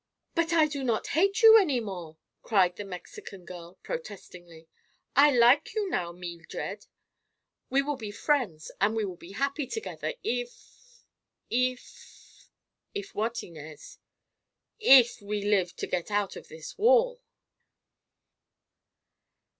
"But I do not hate you any more!" cried the Mexican girl protestingly. "I like you now, Meeldred. We will be friends, an' we will be happy together, if—if—" "If what, Inez?" "If we live to get out of this wall."